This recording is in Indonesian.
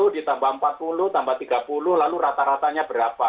ditambah empat puluh tambah tiga puluh lalu rata ratanya berapa